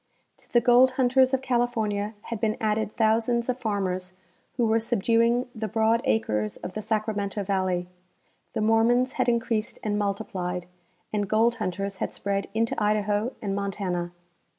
To the gold hunters of California had been added thousands of farmers who were subduing the broad acres of the Sacramento valley. The Mormons had increased and multiplied, and gold hunters had spread into Idaho and Montana.